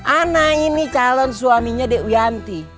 ana ini calon suaminya di wianti